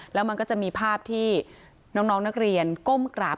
แล้วมันก็จะมีภาพที่น้องนักเรียนก้มกราบ